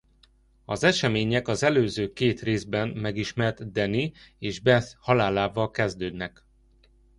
Az események az előző két részben megismert Danny és Beth halálával kezdődnek.